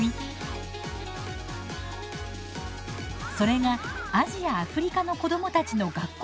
それがアジア・アフリカの子どもたちの学校